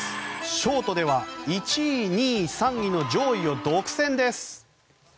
ショートでは１位、２位、３位の上位を独占です。